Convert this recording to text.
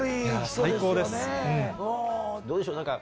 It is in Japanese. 最高です！